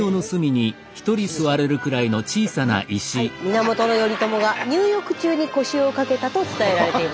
源頼朝が入浴中に腰を掛けたと伝えられています。